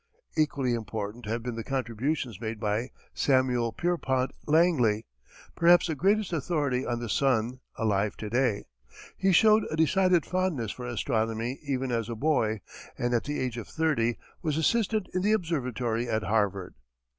Equally important have been the contributions made by Samuel Pierpont Langley, perhaps the greatest authority on the sun alive to day. He showed a decided fondness for astronomy even as a boy, and at the age of thirty was assistant in the observatory at Harvard.